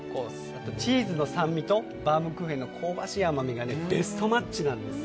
あとチーズの酸味とバウムクーヘンの香ばしい甘みがベストマッチなんです。